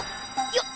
よっ！